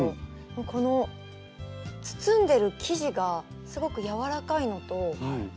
この包んでる生地がすごく柔らかいのと。